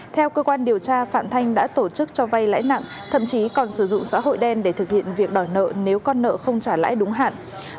theo cơ quan điều tra phạm thanh đã tổ chức cho vay lãi nặng thậm chí còn sử dụng xã hội đen để thực hiện việc đòi nợ nếu con nợ không trả lãi đúng hạn